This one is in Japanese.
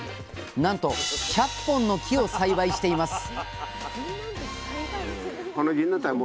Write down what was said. なんと１００本の木を栽培しています